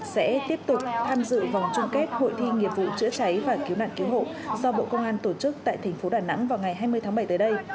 sẽ tiếp tục tham dự vòng chung kết hội thi nghiệp vụ chữa cháy và cứu nạn cứu hộ do bộ công an tổ chức tại thành phố đà nẵng vào ngày hai mươi tháng bảy tới đây